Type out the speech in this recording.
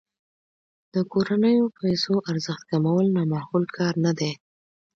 د کورنیو پیسو ارزښت کمول نا معقول کار نه دی.